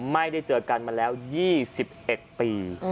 ไม่ได้เจอกันมาแล้ว๒๑ปี